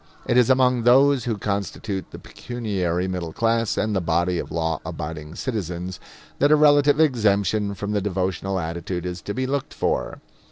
It is among those who constitute the pecuniary middle class and the body of law abiding citizens that a relative exemption from the devotional attitude is to be looked for.